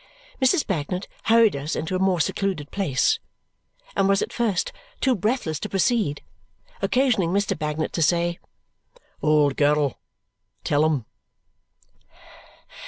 Mrs. Bagnet hurried us into a more secluded place and was at first too breathless to proceed, occasioning Mr. Bagnet to say, "Old girl! Tell 'em!"